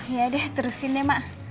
ya deh terusin deh mak